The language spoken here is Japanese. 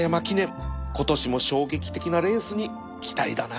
今年も衝撃的なレースに期待だな